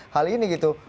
hal ini gitu